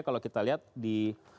kalau kita lihat di